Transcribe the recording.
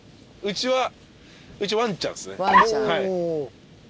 うちはワンちゃんですね。